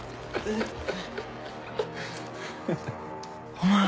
お前。